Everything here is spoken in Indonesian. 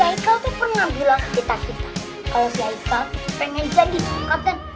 heikal tuh pernah bilang kita kita kalau si heikal pengen jadi katen